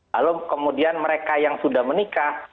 lalu kemudian mereka yang sudah menikah